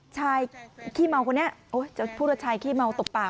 ชายขี้เมาคนนี้โอ๊ยจะพูดว่าชายขี้เมาตบเปล่า